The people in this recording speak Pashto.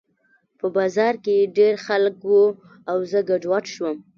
په بازار کې ډېر خلک وو او زه ګډوډ شوم